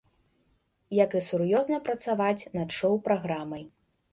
Як і сур'ёзна працаваць над шоў-праграмай.